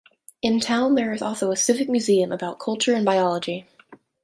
In town there is also a civic museum about culture and biology.